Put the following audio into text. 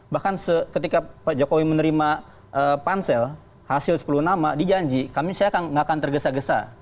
bahkan ketika pak jokowi menerima pansel hasil sepuluh nama dijanji kami saya tidak akan tergesa gesa